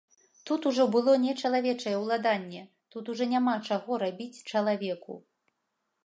Тут ужо было не чалавечае ўладанне, тут ужо няма чаго рабіць чалавеку.